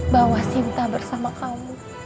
bawa sinta bersama kamu